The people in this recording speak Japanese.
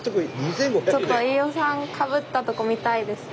ちょっと飯尾さんかぶったとこ見たいです。